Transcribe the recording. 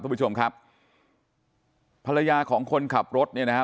คุณผู้ชมครับภรรยาของคนขับรถเนี่ยนะฮะ